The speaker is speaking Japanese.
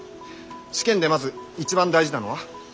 試験でまず一番大事なのは？